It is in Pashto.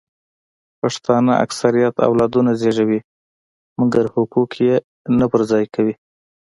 پښتانه اکثریت اولادونه زیږوي مګر حقوق یې نه پر ځای کوي